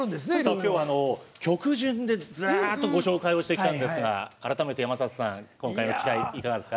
きょうは曲順でずらっとご紹介してきましたが改めて山里さん、今回の期待いかがですか？